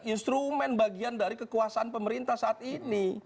instrumen bagian dari kekuasaan pemerintah saat ini